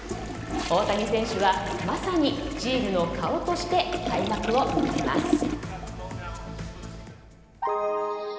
大谷選手はまさにチームの顔として開幕を迎えます。